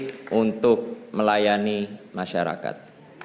dan politik untuk melayani masyarakat